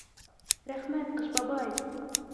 Рәхмәт, Ҡыш бабай!